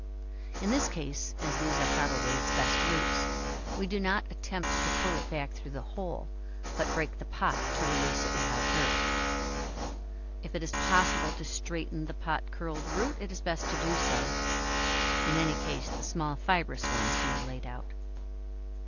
In this case, as these are probably its best roots, we do not attempt to pull it back through the hole, but break the pot to release it without hurt. If it is possible to straighten the pot curled root, it is best to do so; in any case, the small fibrous ones can be laid out.